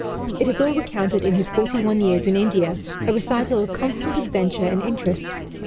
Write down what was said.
It is all recounted in his "Forty One Years in India" a recital of constant adventure and interest.